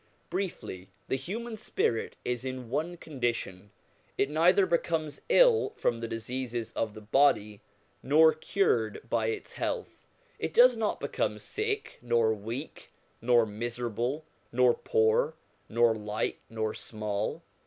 Briefly, the human spirit is in one condition; it neither becomes ill from the diseases of the body, nor cured by its health ; it does not become sick, nor weak, nor miserable, nor poor, nor light, nor small.